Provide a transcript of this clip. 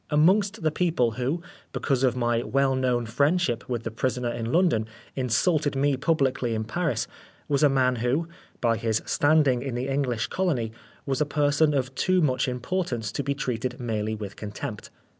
Amongst the people who, because of my well known friendship with the prisoner in London, insulted me publicly in Paris, was a man who, by his standing in the English colony, was a person of too much impor tance to be treated merely with contempt.